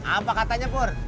apa katanya pur